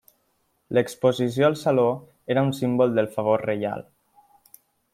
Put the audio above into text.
L'exposició al Saló era un símbol del favor reial.